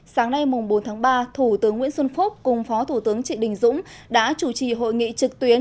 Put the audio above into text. sáng nay bốn tháng ba thủ tướng nguyễn xuân phúc cùng phó thủ tướng trịnh đình dũng đã chủ trì hội nghị trực tuyến